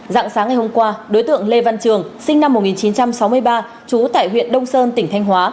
dạng sáng ngày hôm qua đối tượng lê văn trường sinh năm một nghìn chín trăm sáu mươi ba trú tại huyện đông sơn tỉnh thanh hóa